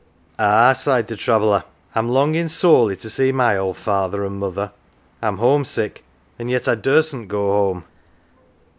" Ah !" sighed the traveller, " I'm longin' sorely to see my old father an' mother. I'm homesick, an' yet I dursen't go home."